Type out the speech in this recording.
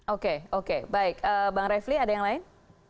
oke oke baik bang refli ada yang lain